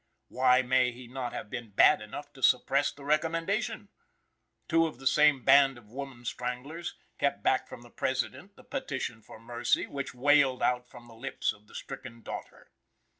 Why may he not have been bad enough to suppress the recommendation? Two of the same band of woman stranglers kept back from the President the petition for mercy, which wailed out from the lips of the stricken daughter.